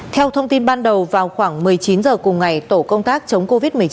theo thông tin ban đầu vào khoảng một mươi chín h cùng ngày tổ công tác chống covid một mươi chín